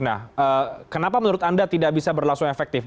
nah kenapa menurut anda tidak bisa berlangsung efektif